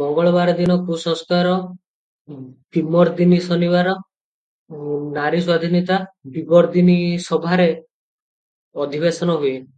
ମଙ୍ଗଳବାର ଦିନ 'କୁସଂସ୍କାର-ବିମର୍ଦ୍ଦିନି' ଶନିବାର 'ନାରୀସ୍ୱାଧୀନତା-ବିବର୍ଦ୍ଧିନୀ' ସଭାର ଅଧିବେଶନ ହୁଏ ।